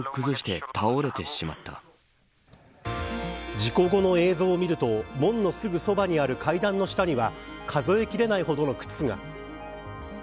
事故後の映像を見ると門のすぐそばにある階段の下には数え切れないほどの靴が。